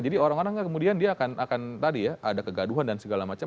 jadi orang orang kemudian dia akan tadi ya ada kegaduhan dan segala macam